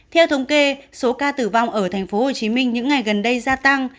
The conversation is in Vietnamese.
theo thống kê số ca tử vong ở tp hcm những ngày gần đây gia tăng